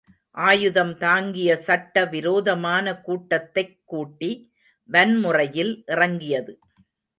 ஆயுதம் தாங்கிய சட்ட விரோதமான கூட்டத்தைக் கூட்டி வன்முறையில் இறங்கியது.